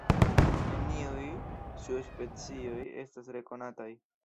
Neniuj subspecioj estas rekonataj.